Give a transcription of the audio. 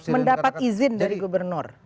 mendapat izin dari gubernur